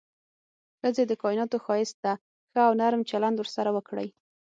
ښځې د کائناتو ښايست ده، ښه او نرم چلند ورسره وکړئ.